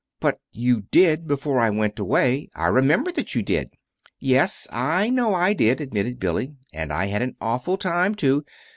"But you did before I went away. I remember that you did." "Yes, I know I did," admitted Billy, "and I had an awful time, too.